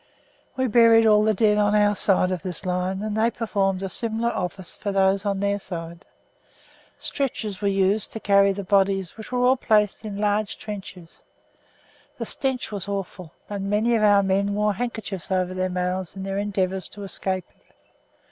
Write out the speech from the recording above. We buried all the dead on our side of this line and they performed a similar office for those on their side. Stretchers were used to carry the bodies, which were all placed in large trenches. The stench was awful, and many of our men wore handkerchiefs over their mouths in their endeavour to escape it.